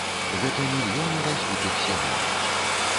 Гэта мільёны разбітых сем'яў.